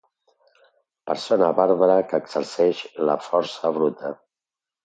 Persona bàrbara que exerceix la força bruta.